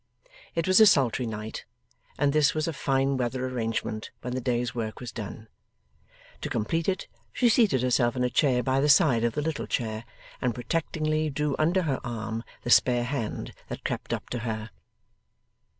It was a sultry night, and this was a fine weather arrangement when the day's work was done. To complete it, she seated herself in a chair by the side of the little chair, and protectingly drew under her arm the spare hand that crept up to her.